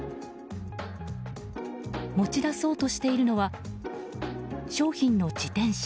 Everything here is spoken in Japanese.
持ち出そうとしているのは商品の自転車。